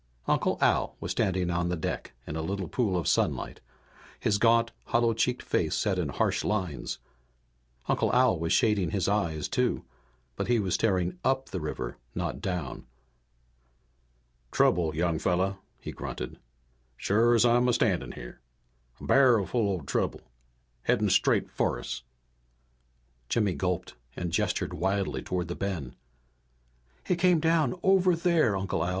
Uncle Al was standing on the deck in a little pool of sunlight, his gaunt, hollow cheeked face set in harsh lines. Uncle Al was shading his eyes too. But he was staring up the river, not down. "Trouble, young fella," he grunted. "Sure as I'm a standin' here. A barrelful o' trouble headin' straight for us!" Jimmy gulped and gestured wildly toward the bend. "It came down over there, Uncle Al!"